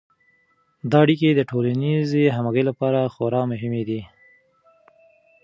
دا اړیکې د ټولنیز همغږي لپاره خورا مهمې دي.